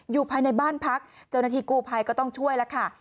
อยู่ภายในบ้านพักเจ้าหน้าที่กู้ภัยก็ต้องช่วยแล้วค่ะ